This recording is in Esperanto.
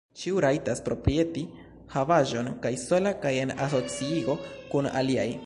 Ĉiu rajtas proprieti havaĵon, kaj sola kaj en asociiĝo kun aliaj.